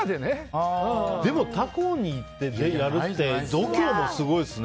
でも他校に行ってやるって度胸がすごいですね。